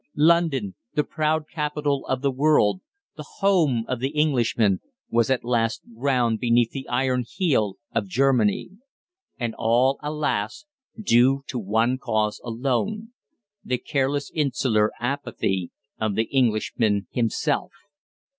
London the proud capital of the world, the "home" of the Englishman was at last ground beneath the iron heel of Germany! And all, alas! due to one cause alone the careless insular apathy of the Englishman himself!